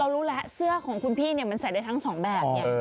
รู้แล้วเสื้อของคุณพี่เนี่ยมันใส่ได้ทั้งสองแบบเนี่ย